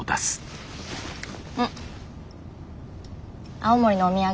青森のお土産。